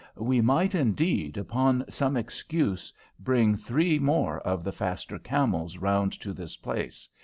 "We might, indeed, upon some excuse, bring three more of the faster camels round to this place.